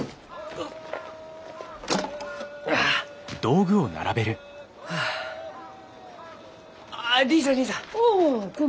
あっりんさんりんさん！